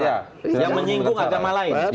yang menyinggung agama lain